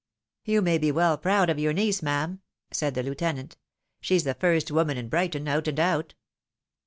" You may well be proud of your niece, ma'am," said the lieutenant. " Shd's the iirst woman in Brighton, out and out."